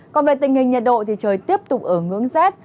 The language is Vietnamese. còn về tình hình nhiệt độ thì trời tiếp tục ở ngưỡng rét